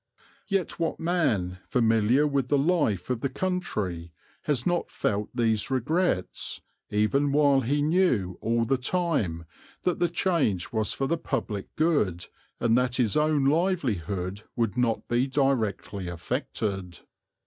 Yet what man familiar with the life of the country has not felt these regrets, even while he knew all the time that the change was for the public good and that his own livelihood would not be directly affected?